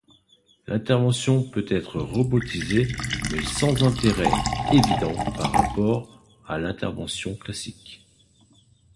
L'intervention peut être robotisée mais sans intérêt évident par rapport à l'intervention classique.